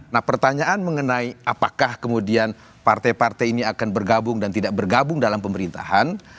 nah pertanyaan mengenai apakah kemudian partai partai ini akan bergabung dan tidak bergabung dalam pemerintahan